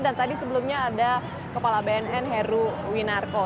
dan tadi sebelumnya ada kepala bnn heru winarko